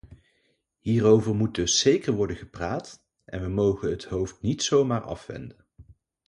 Hierover moet dus zeker worden gepraat, en we mogen het hoofd niet zomaar afwenden.